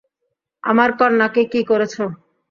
আমার কন্যাকে কী করেছ?